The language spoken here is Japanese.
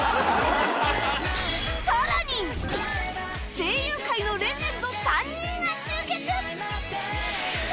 声優界のレジェンド３人が集結！